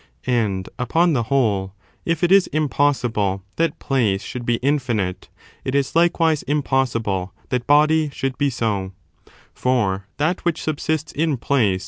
And, upon the whole, if it is impossible that place should be infinite, it is likewise impossible that body should be so ; for that which subsists in place